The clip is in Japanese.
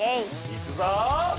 いくぞ！